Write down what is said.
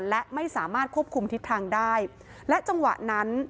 และไม่สามารถควบคุมทิศทางได้และจังหวะนั้น